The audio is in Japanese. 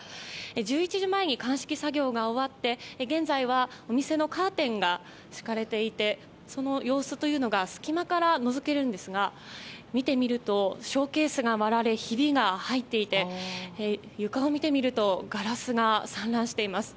１１時前に鑑識作業が終わって現在は、お店のカーテンが閉められていてその様子というのが隙間からのぞけるんですが見てみると、ショーケースが割られ、ひびが入っていて床を見てみるとガラスが散乱しています。